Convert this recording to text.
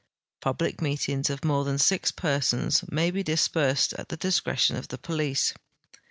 Public meetings of more than six ])ersons may l;e dispersed at the di.scretion of the police.